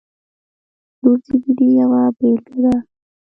• لور د مینې یوه بېلګه ده.